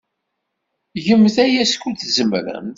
Gemt aya skud tzemremt.